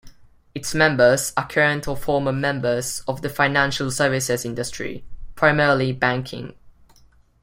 Its members are current or former members of the financial services industry, primarily banking.